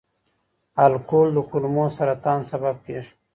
الکول د کولمو سرطان سبب کېږي.